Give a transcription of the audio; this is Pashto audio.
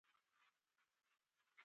خوښه لرل: